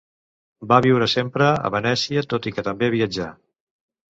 Va viure sempre a Venècia tot i que també viatjà.